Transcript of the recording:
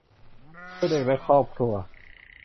เพื่อเด็กและครอบครัว